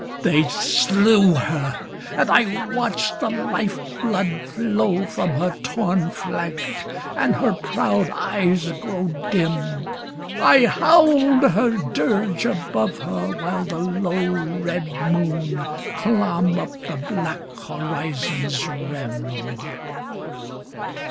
They slew her ... and I watched the life blood flow From her torn flank, and her proud eyes grow dim : I howled her dirge above her while the low, Red moon clomb up the black horizon's rim.